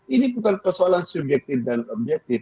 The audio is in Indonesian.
ini bukan persoalan subjektif dan objektif